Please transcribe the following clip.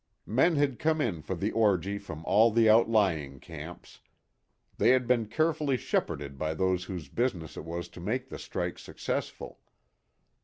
Men had come in for the orgy from all the outlying camps. They had been carefully shepherded by those whose business it was to make the strike successful.